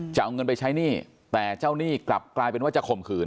จะเอาเงินไปใช้หนี้แต่เจ้าหนี้กลับกลายเป็นว่าจะข่มขืน